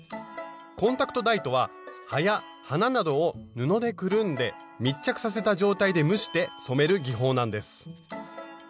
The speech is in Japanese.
コンタクトダイとは葉や花などを布でくるんで密着させた状態で蒸して染める技法なんです。